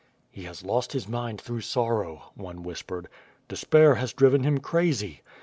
"He has lost his mind through sorrow," one whispered. "Despair has driven him crazy."